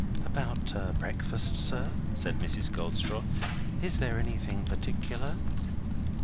"About breakfast, sir?" asked Mrs. Goldstraw. "Is there anything particular